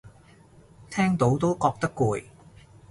聽到都覺得攰